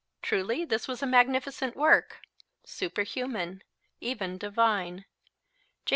Truly, this was a magnificent work, superhuman, even divine. J.